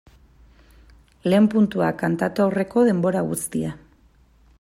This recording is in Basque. Lehen puntua kantatu aurreko denbora guztia.